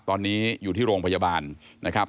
ตอนนี้อยู่ที่โรงพยาบาลนะครับ